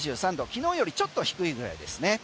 昨日よりちょっと低いぐらいですね。